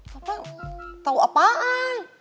papa tau apaan